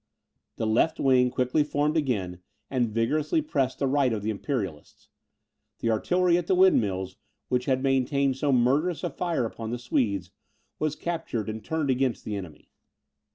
The left wing quickly formed again, and vigorously pressed the right of the Imperialists. The artillery at the windmills, which had maintained so murderous a fire upon the Swedes, was captured and turned against the enemy.